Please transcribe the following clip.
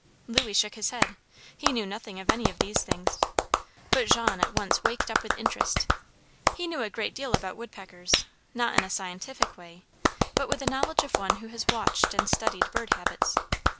Louis shook his head. He knew nothing of any of these things. But Jean at once waked up with interest. He knew a great deal about woodpeckers, not in a scientific way, but with the knowledge of one who has watched and studied bird habits.